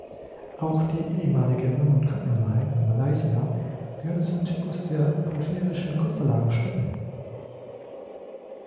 Auch die ehemalige Mamut Copper Mine in Malaysia gehörte zum Typus der porphyrischen Kupferlagerstätten.